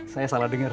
saya salah denger